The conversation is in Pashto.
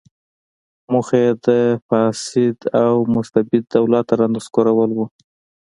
موخه یې د فاسد او مستبد دولت رانسکورول و.